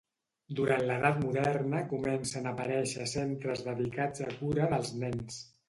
Durant l'edat moderna comencen a aparèixer centres dedicats a cura dels nens.